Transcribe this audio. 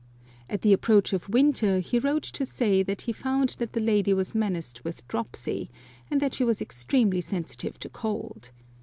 " At the approach of winter he wrote to say that he found that the lady was menaced with dropsy, and that she was extremely sensitive to cold.